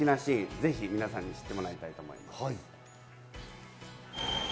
ぜひ皆さんに知ってもらいたいと思います。